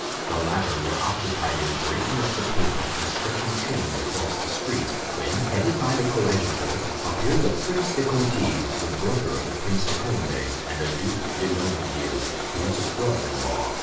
The latter were occupied in breaking up the pavement and stretching chains across the streets, when, headed by the coadjutor, appeared the Prince de Conti (the brother of the Prince de Condé) and the Duc de Longueville, his brother in law.